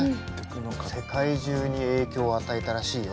世界中に影響を与えたらしいよ。